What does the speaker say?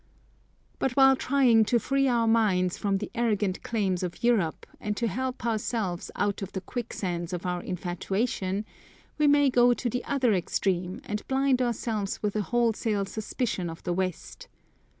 But while trying to free our minds from the arrogant claims of Europe and to help ourselves out of the quicksands of our infatuation, we may go to the other extreme and blind ourselves with a wholesale suspicion of the West.